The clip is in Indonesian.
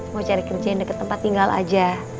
mau cari kerja yang dekat tempat tinggal aja